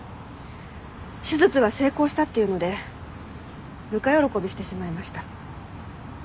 手術は成功したっていうのでぬか喜びしてしまいました。